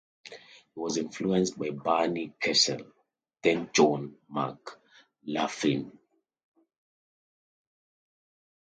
He was influenced by Barney Kessel, then John McLaughlin.